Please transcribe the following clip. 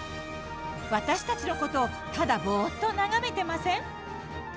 私たちのことただ、ぼーっと眺めてません？